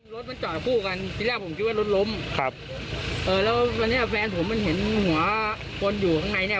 รถมันจอดคู่กันที่แรกผมคิดว่ารถล้มครับเออแล้ววันนี้แฟนผมมันเห็นหัวคนอยู่ข้างในเนี้ย